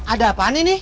ada apaan ini